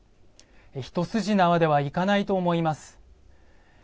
一筋縄ではいかないと思います。